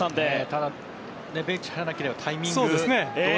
ただベンチに入らなければタイミング。